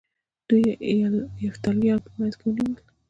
دوی یفتلیان په منځ کې ونیول